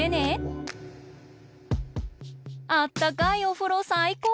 あったかいおふろさいこう！